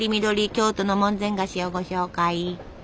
京都の門前菓子をご紹介！